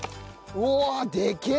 うわあでけえ！